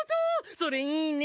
それいいね！